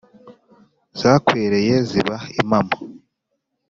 zakwereye ziba impamo.